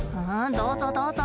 どうぞどうぞ。